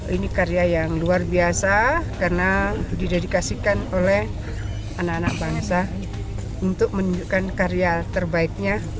ini karya yang luar biasa karena didedikasikan oleh anak anak bangsa untuk menunjukkan karya terbaiknya